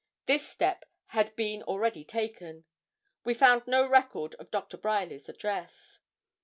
This step had been already taken. We found no record of Dr. Bryerly's address.